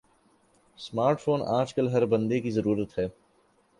smart phone آج کل ہر بندے کی ضرورت ہے